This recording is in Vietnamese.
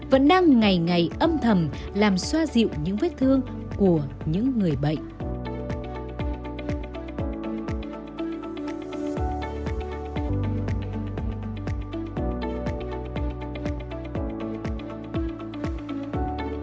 vẫn đang ngày ngày âm thầm làm xoa dịu những vết thương của những người bệnh